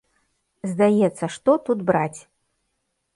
Здаецца, што тут браць?